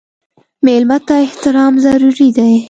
مېلمه ته احترام ضروري دی.